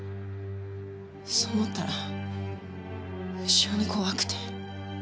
そう思ったら無性に怖くて。